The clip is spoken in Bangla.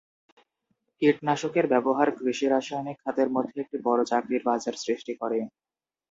কীটনাশকের ব্যবহার কৃষি রাসায়নিক খাতের মধ্যে একটি বড় চাকরির বাজার সৃষ্টি করে।